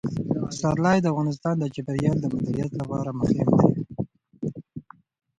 پسرلی د افغانستان د چاپیریال د مدیریت لپاره مهم دي.